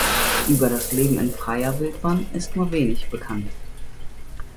Über das Leben in freier Wildbahn ist nur wenig bekannt.